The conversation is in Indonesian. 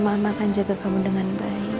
mama akan jaga kamu dengan baik